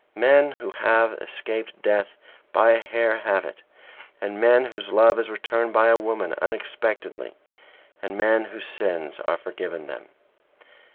Men who have escaped death by a hair have it, and men whose love is returned by a woman unexpectedly, and men whose sins are forgiven them.